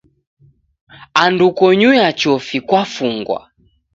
Andu konyuya chofi kwafungwa.